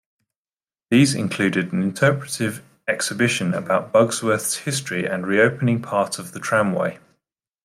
These include an interpretative exhibition about Bugsworth's history and reopening part of the tramway.